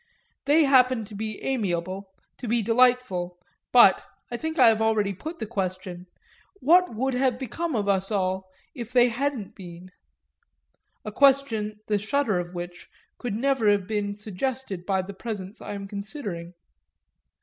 They happened to be amiable, to be delightful; but I think I have already put the question what would have become of us all if they hadn't been? a question the shudder of which could never have been suggested by the presence I am considering.